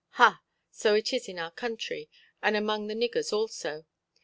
Ha, so it is in our country, and among the niggers also.